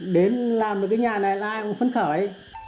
đến làm được cái nhà này là ai cũng phấn khởi